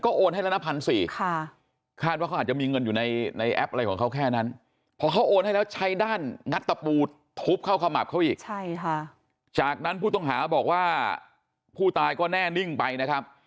ก็โอนให้ละ๑๔๐๐บาทคาดว่าเขาอาจจะมีเงินอยู่ในแอปอะไรของเขาแค่นั้น